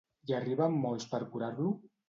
Hi arriben molts per curar-lo?